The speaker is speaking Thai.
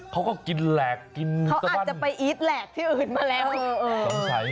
เขาก็กินแหลกกินเขาอาจจะไปอีทแหลกที่อื่นมาแล้ว